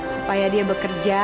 supaya dia bekerja